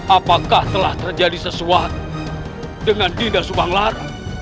apakah telah terjadi sesuatu dengan dinda subanglar